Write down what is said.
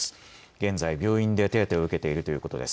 現在病院で手当てを受けているということです。